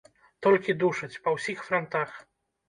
Толькі душаць, па ўсіх франтах.